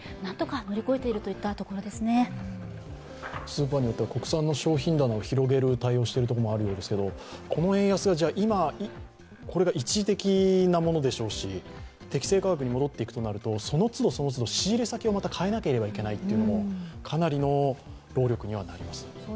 スーパーによっては国産の小児品だなを広げる対応をしている所もあるようですが、この円安は一時的なものでしょうし、適正価格に戻っていくとなるとその都度、その都度仕入れ先をまた変えなければいけないというのもかなりの労力にはなります。